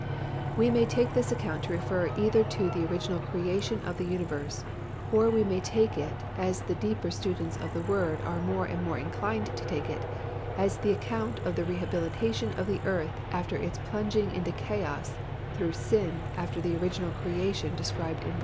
We may take this account to refer either to the original creation of the universe, or we may take it as the deeper students of the Word are more and more inclining to take it, as the account of the rehabilitation of the earth after its plunging into chaos through sin after the original creation described in v.